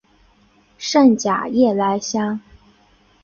滇假夜来香